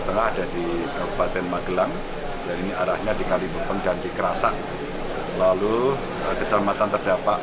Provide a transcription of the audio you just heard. tengah dan di kabupaten magelang dari arahnya di kalimantan dan di kerasak lalu kecamatan terdapat